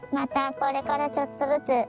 これからちょっとずつ。